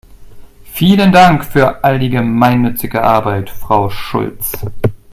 Vielen Dank für all die gemeinnützige Arbeit, Frau Schulz!